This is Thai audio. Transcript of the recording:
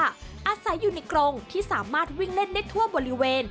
อาศัยอยู่ในกรงที่สามารถวิ่งเล่นได้ทั่วบริเวณ